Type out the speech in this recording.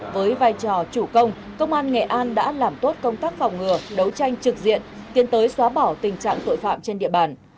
với vai trò chủ công công an nghệ an đã làm tốt công tác phòng ngừa đấu tranh trực diện tiến tới xóa bỏ tình trạng tội phạm trên địa bàn